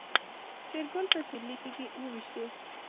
شېرګل په سيرلي تيږې وويشتې.